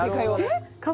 えっ！？